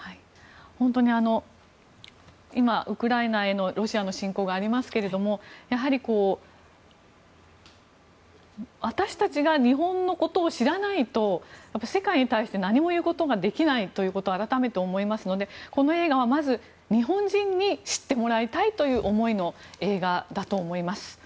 本当に今、ウクライナへのロシアの侵攻がありますがやはり、私たちが日本のことを知らないと世界に対して何も言うことができないということを改めて思いますのでこの映画はまず、日本人に知ってもらいたいという思いの映画だと思います。